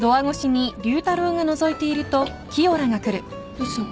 どうしたの？